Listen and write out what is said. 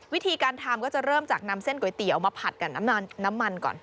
วิธีการทำก็จะเริ่มจากนำเส้นก๋วยเตี๋ยวมาผัดกับน้ำมันก่อน